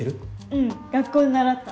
うん学校で習った。